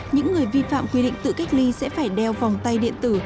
những người vi phạm quy định tự cách ly sẽ phải đeo vòng tay điện tử